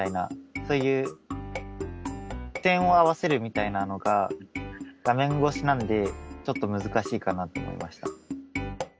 そういう視線を合わせるみたいなのが画面越しなんでちょっと難しいかなと思いました。